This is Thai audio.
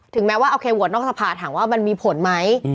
แม้ว่าโอเคโหวตนอกสภาถามว่ามันมีผลไหม